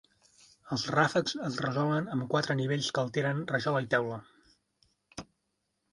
Els ràfecs es resolen amb quatre nivells que alternen rajola i teula.